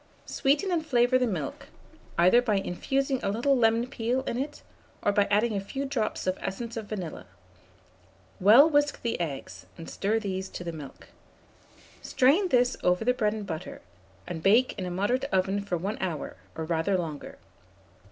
Sweeten and flavour the milk, either by infusing a little lemon peel in it, or by adding a few drops of essence of vanilla; well whisk the eggs, and stir these to the milk. Strain this over the bread and butter, and bake in a moderate oven for 1 hour, or rather longer.